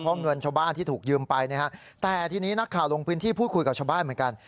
เพราะเงินชาวบ้านที่ถูกยืมไปนะฮะแต่ทีนี้นักข่าวลงพื้นที่พูดคุยกับชาวบ้านเหมือนกัน